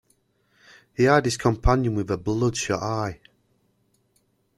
He eyed his companion with a bloodshot eye.